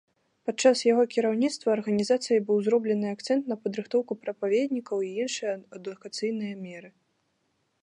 Падчас яго кіраўніцтва арганізацыяй быў зроблены акцэнт на падрыхтоўку прапаведнікаў і іншыя адукацыйныя меры.